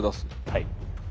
はい。